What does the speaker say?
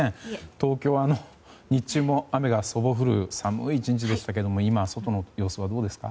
東京は日中も雨が降る寒い１日でしたが今は外の様子はどうですか。